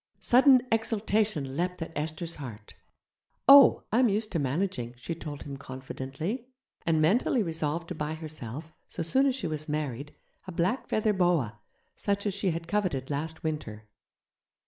Sudden exultation leaped at Esther's heart. 'Oh! I'm used to managing' she told him confidently, and mentally resolved to buy herself, so soon as she was married, a black feather boa, such as she had coveted last winter.